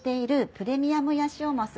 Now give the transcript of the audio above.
プレミアムヤシオマス？